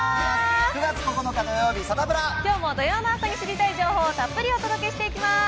９月９日土曜日、きょうも土曜の朝に知りたい情報をたっぷりお届けしていきます。